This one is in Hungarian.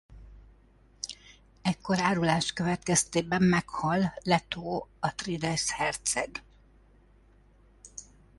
Ekkor árulás következtében meghal Leto Atreides herceg.